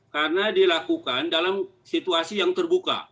karena dilakukan dalam situasi yang terbuka